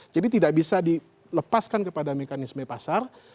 jadi tidak bisa dilepaskan kepada mekanisme pasar